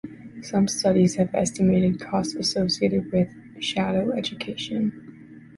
Some studies have estimated costs associated with "shadow education".